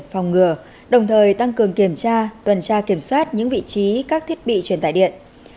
phòng ngừa đồng thời tăng cường kiểm tra tuần tra kiểm soát những vị trí các thiết bị truyền tải điện